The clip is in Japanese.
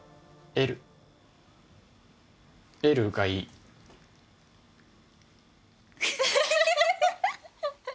エルがいい。ハハハハ！